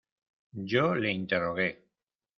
yo le interrogué: